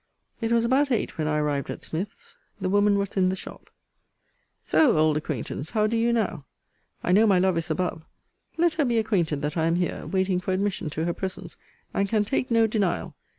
It was about eight when I arrived at Smith's. The woman was in the shop. So, old acquaintance, how do you now? I know my love is above. Let her be acquainted that I am here, waiting for admission to her presence, and can take no denial.